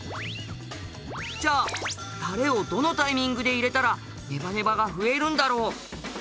じゃあタレをどのタイミングで入れたらネバネバが増えるんだろう？